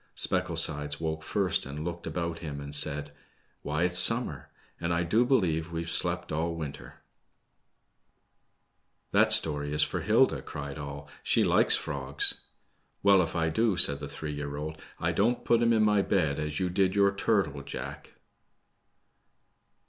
Specklesides awoke first, and looked about him and said, Why, it's summer, and I do believe we've slept all winter !" That story is for Hilda/' cried all ; she likes frogs." Wellj if I do/' said three year old^ I don't put 'em in my bed, as you did your turtle, Jack."